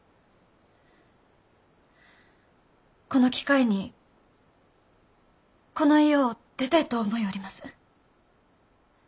この機会にこの家を出てえと思ようります。